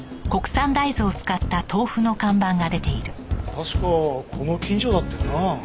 確かこの近所だったよな？